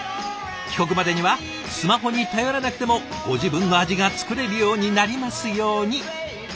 帰国までにはスマホに頼らなくてもご自分の味が作れるようになりますように！